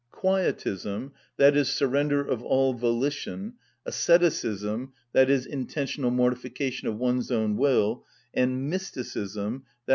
Quietism, i.e., surrender of all volition, asceticism, i.e., intentional mortification of one's own will, and mysticism, _i.